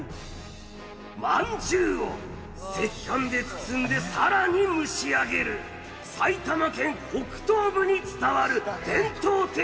まんじゅうを赤飯で包んでさらに蒸し上げる埼玉県北東部に伝わる伝統的なお菓子。